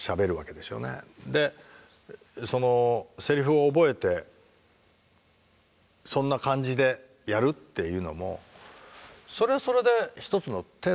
でそのセリフを覚えてそんな感じでやるっていうのもそれはそれで一つの手だと思うんだけど。